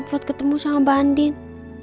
sempat ketemu sama mbak andin